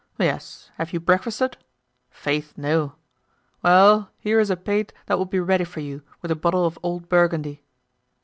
'Yes, have you breakfasted?' 'Faith, no.' 'Well, here is a pate that will be ready for you, with a bottle of old Burgundy.